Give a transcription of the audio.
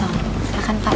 selamat tinggal pak